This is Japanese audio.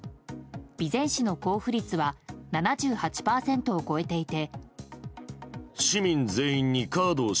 備前市の交付率は７８％を超えていて。